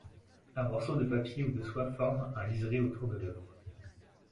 Un morceau de papier ou de soie forme un liseré autour de l’œuvre.